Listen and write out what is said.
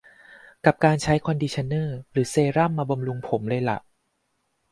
กับการใช้คอนดิชั่นเนอร์หรือเซรั่มมาบำรุงผมเลยล่ะ